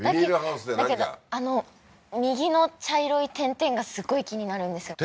だけどあの右の茶色い点々がすごい気になるんですよ